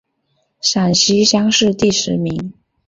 陕西乡试第十名。